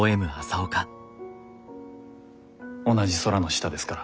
同じ空の下ですから。